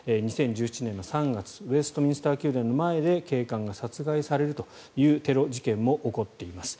２０１７年の３月ウェストミンスター宮殿の前で警官が殺害されるというテロ事件も起こっています。